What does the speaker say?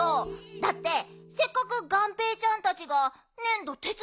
だってせっかくがんぺーちゃんたちがねんどてつだってあげたんでしょ？